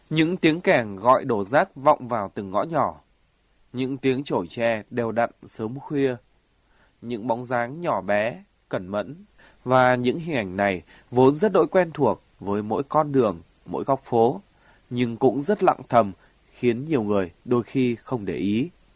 những tiếng kèn gọi đổ rác vọng vào từng ngõ nhỏ những tiếng trổi tre đều đặn sớm khuya những bóng dáng nhỏ bé cẩn mẫn và những hình ảnh này vốn rất đỗi quen thuộc với mỗi con đường mỗi góc phố nhưng cũng rất lặng thầm khiến nhiều người đôi khi không để ý